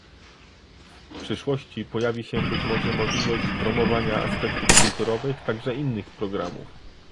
W przyszłości pojawi się być może możliwość promowania aspektów kulturowych także innych programów